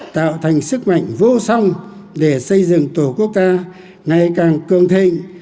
tạo thành sức mạnh vô song để xây dựng tổ quốc ta ngày càng cường thịnh